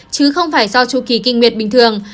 chứ không phải do chu kỳ kinh nguyệt bình thường